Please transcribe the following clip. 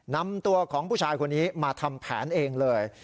นำตัวของผู้ชายคนนี้มาทำแผนเองเลย